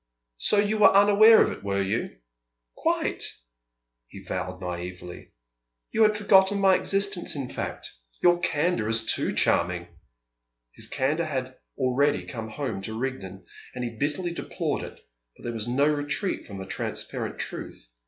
"So you were unaware of it, were you?" "Quite!" he vowed naïvely. "You had forgotten my existence, in fact? Your candour is too charming!" His candour had already come home to Rigden, and he bitterly deplored it, but there was no retreat from the transparent truth.